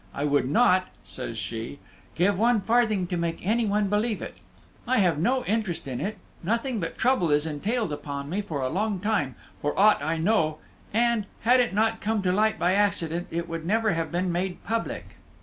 I would not," says she, "give one farthing to make any one believe it; I have no interest in it; nothing but trouble is entailed upon me for a long time, for aught I know; and, had it not come to light by accident, it would never have been made public."